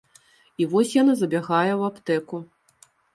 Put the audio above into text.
І вось яна забягае ў аптэку.